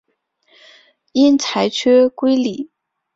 因裁缺归里。